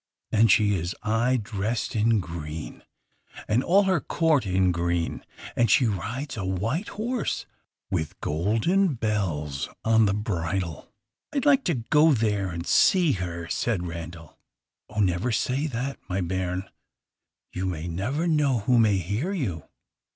And she is aye dressed in green, and all her court in green; and she rides a white horse with golden bells on the bridle." "I would like to go there and see her," said Randal. "Oh, never say that, my bairn; you never know who may hear you!